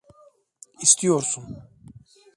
İstiyorsun.